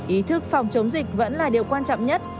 ý thức phòng chống dịch vẫn là điều quan trọng nhất